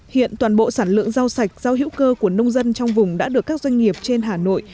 hiện toàn bộ sản lượng rau sạch rau hữu cơ của nông dân trong vùng đã được các doanh nghiệp trên hà nội